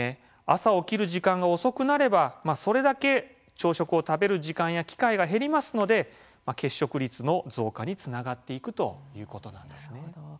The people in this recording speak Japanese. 朝起きる時間が遅くなればそれだけ朝食を食べる時間や機会が減りますので欠食率の増加につながっていくということなんです。